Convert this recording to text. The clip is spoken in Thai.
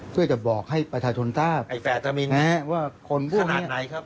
เพื่อจะบอกให้ประธาชนศาสตร์ไอ้แฝดทะมินแนะว่าคนพวกนี้ขนาดไหนครับ